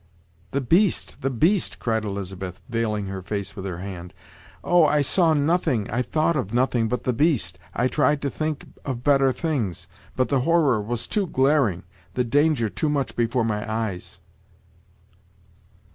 "The beast! the beast!" cried Elizabeth, veiling her face with her hand. "Oh! I saw nothing, I thought of nothing but the beast. I tried to think of better things, but the horror was too glaring, the danger too much before my eyes."